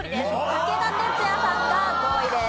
武田鉄矢さんが５位です。